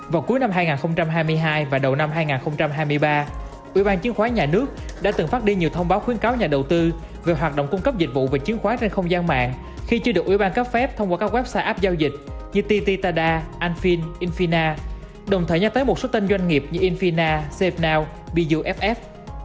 vào cuối năm hai nghìn hai mươi hai và đầu năm hai nghìn hai mươi ba ủy ban chứng khoán nhà nước đã từng phát đi nhiều thông báo khuyến cáo nhà đầu tư về hoạt động cung cấp dịch vụ về chiến khoán trên không gian mạng khi chưa được ủy ban cấp phép thông qua các website app giao dịch như tti tada anphine infina đồng thời nhắc tới một số tên doanh nghiệp như infina cnow bijuff